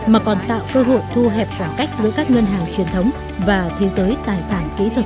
mà còn tạo cơ hội thu hẹp khoảng cách giữa các ngân hàng truyền thống và thế giới tài sản kỹ thuật số